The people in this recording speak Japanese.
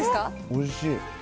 おいしい。